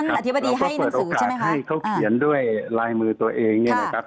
อธิบดีค่ะก็เปิดโอกาสให้เขาเขียนด้วยลายมือตัวเองเนี่ยนะครับ